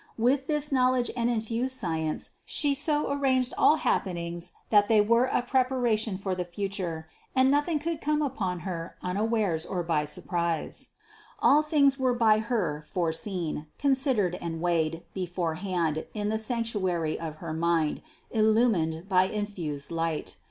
With this knowledge and infused science She so arranged all happenings that they were a prepara tion for the future and nothing could come upon Her un awares or by surprise. All things were by Her foreseen, considered and weighed beforehand in the sanctuary of her mind, illumined by infused light.